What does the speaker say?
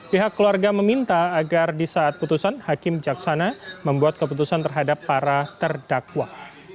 pihak keluarga meminta agar di saat putusan hakim jaksana membuat keputusan terhadap para terdakwa